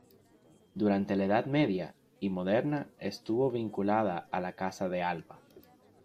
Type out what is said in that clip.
Durante la edad media y moderna estuvo vinculada a la Casa de Alba.